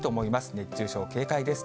熱中症警戒です。